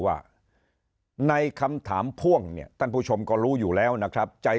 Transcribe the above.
ว่าในคำถามพ่วงเนี่ยท่านผู้ชมก็รู้อยู่แล้วนะครับใจ